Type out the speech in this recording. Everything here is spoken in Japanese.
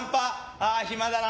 ああ、暇だな。